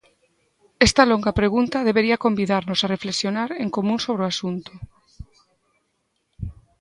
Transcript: Esta longa pregunta debería convidarnos a reflexionar en común sobre o asunto.